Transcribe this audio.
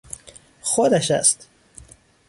خودش است!